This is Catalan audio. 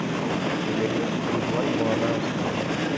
Dimecres en Joan vol anar al cinema.